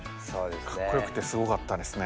かっこよくてすごかったですね。